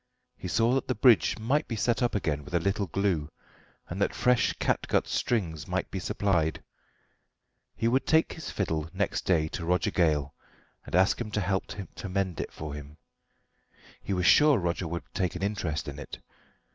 He saw that the bridge might be set up again with a little glue, and that fresh catgut strings might be supplied. He would take his fiddle next day to Roger Gale and ask him to help to mend it for him. He was sure Roger would take an interest in it.